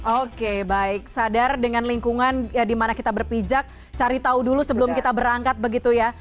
oke baik sadar dengan lingkungan dimana kita berpijak cari tahu dulu sebelum kita berangkat begitu ya